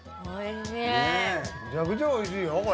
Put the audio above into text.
めちゃくちゃおいしいよ、これ。